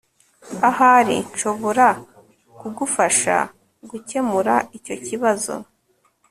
Ahari nshobora kugufasha gukemura icyo kibazo